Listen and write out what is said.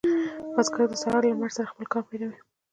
بزګر د سهار له لمر سره خپل کار پیلوي.